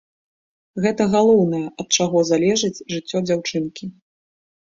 Гэта галоўнае, ад чаго залежыць жыццё дзяўчынкі.